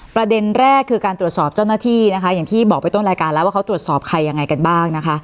ประเด็นแรกคือการตรวจสอบเจ้าหน้าที่นะคะอย่างที่บอกไปต้นรายการแล้วว่าเขาตรวจสอบใครยังไงกันบ้างนะคะ